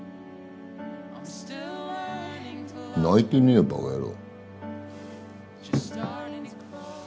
泣いてねえよバカ野郎。